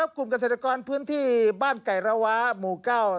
แล้วก็คุมเกษตรกรพื้นที่บ้านไก่ละวะหมูเก้า